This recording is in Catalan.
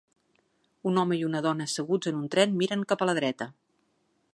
Un home i una dona asseguts en un tren miren cap a la dreta.